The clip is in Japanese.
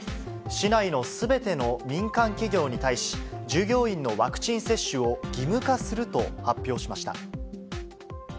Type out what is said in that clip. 市内のすべての民間企業に対し、従業員のワクチン接種を義務化すると発表しました。